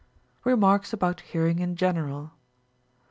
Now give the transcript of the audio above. Remarks about Hearing in general.